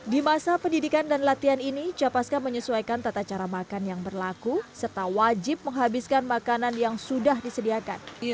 di masa pendidikan dan latihan ini capaska menyesuaikan tata cara makan yang berlaku serta wajib menghabiskan makanan yang sudah disediakan